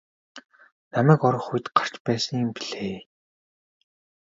Намайг орох үед гарч байсан юм билээ.